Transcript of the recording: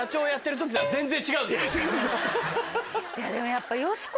でもやっぱ。